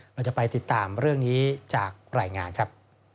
เราจะไปติดตามเรื่องนี้จากรายงานครับ